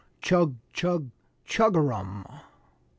Chug, chug, chugarum!"